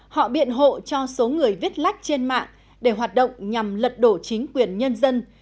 họ biện hộ cho số người viết lách trên mạng để hoạt động nhằm lật đổ chính quyền nhân dân